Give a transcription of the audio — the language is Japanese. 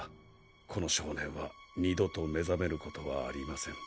この少年は二度と目覚めることはありません。